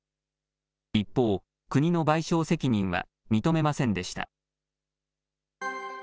一方、国の賠償責任は認めませんでした。